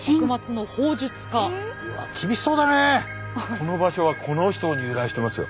この場所はこの人に由来してますよ。